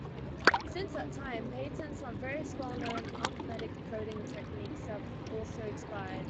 Since that time, patents on various well-known arithmetic coding techniques have also expired.